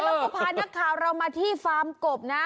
แล้วก็พานักข่าวเรามาที่ฟาร์มกบนะ